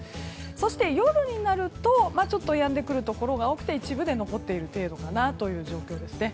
そして、夜になるとやんでくるところが多くて一部で残っている程度だなという状況ですね。